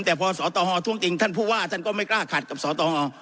แต่พอสวทธิฮอลท้วงติงท่านผู้ว่าท่านก็ไม่กล้าขัดกับสวทธิฮอล